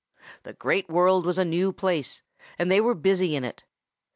The Great World was a new place, and they were new in it.